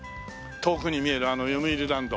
遠くに見えるあのよみうりランド。